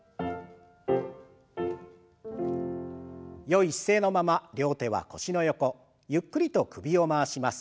よい姿勢のまま両手は腰の横ゆっくりと首を回します。